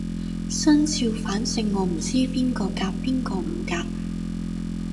生肖反正我唔知邊個夾邊個唔夾